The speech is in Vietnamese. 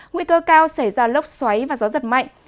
nguy cơ cao xảy ra lốc xoáy và gió giật mạnh